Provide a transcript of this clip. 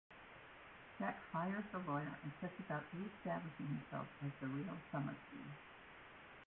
Jack fires the lawyer and sets about re-establishing himself as the real Sommersby.